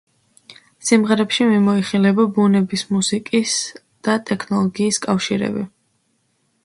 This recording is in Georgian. სიმღერებში მიმოიხილება ბუნების, მუსიკის და ტექნოლოგიის კავშირები.